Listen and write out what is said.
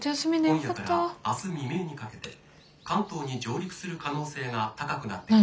「今夜から明日未明にかけて関東に上陸する可能性が高くなってきました」。